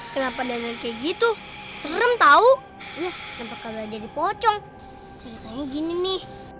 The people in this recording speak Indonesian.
kenapa dengan kayak gitu serem tahu jadi pocong ini